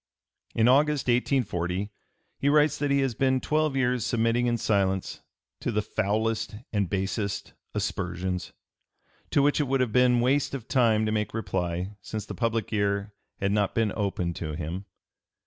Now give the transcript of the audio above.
In August, 1840, he writes that he has been twelve years submitting in silence to the "foulest and basest aspersions," to which it would have been waste of time to make reply, since the public ear had not been open to him.